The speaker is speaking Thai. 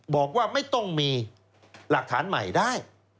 บอกว่าไม่ต้องมีหลักฐานใหม่ได้